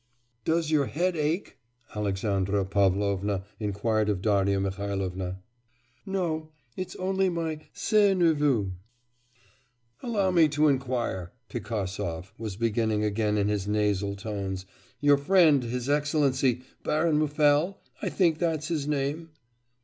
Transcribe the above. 'Does your head ache?' Alexandra Pavlovna inquired of Darya Mihailovna. 'No. It is only my c'est nerveux.' 'Allow me to inquire,' Pigasov was beginning again in his nasal tones, 'your friend, his excellency Baron Muffel I think that's his name?